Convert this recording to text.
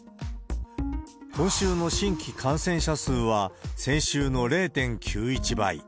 今週の新規感染者数は、先週の０．９１倍。